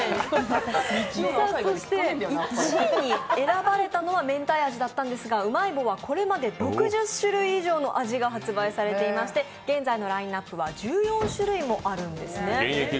そして１位に選ばれたのはめんたい味だったんですがうまい棒はこれまで６０種類以上の味が発売されていまして、現在のラインナップは１４種類もあるんですね。